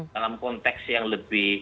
dalam konteks yang lebih